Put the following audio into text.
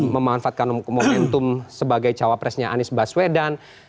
memanfaatkan momentum sebagai cawapresnya anies baswedan